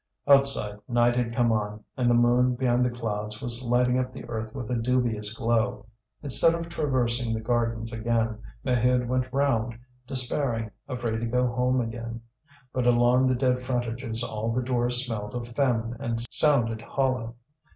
Outside night had come on, and the moon behind the clouds was lighting up the earth with a dubious glow. Instead of traversing the gardens again, Maheude went round, despairing, afraid to go home again. But along the dead frontages all the doors smelled of famine and sounded hollow.